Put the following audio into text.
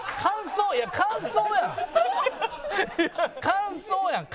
感想やん。